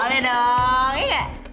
boleh dong iya gak